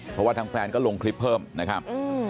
เพราะว่าทางแฟนก็ลงคลิปเพิ่มนะครับ